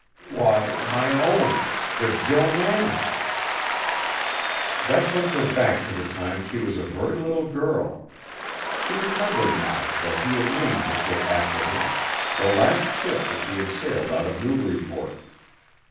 "Why, my own the 'Jo Manning.'" That took her back to the time she was a very little girl. She remembered now that he had named the ship after her, the last ship which he had sailed out of Newburyport.